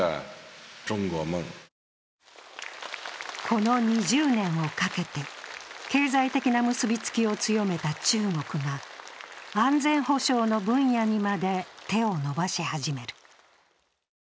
この２０年をかけて、経済的な結びつきを強めた中国が安全保障の分野にまで手を伸ばし始める。